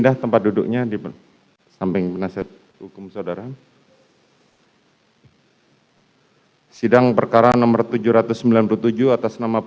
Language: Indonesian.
oke masuk pendengar jelas